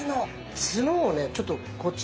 角をちょっとこっち